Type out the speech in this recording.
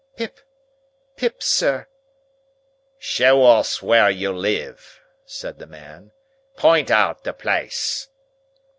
"Pip. Pip, sir." "Show us where you live," said the man. "Pint out the place!"